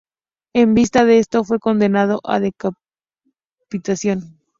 En vista de esto fue condenado a decapitación.